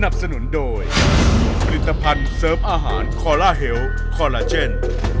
ผลิตภัณฑ์เสิร์ฟอาหารคอลล่าเฮียลคอลลาเซ็น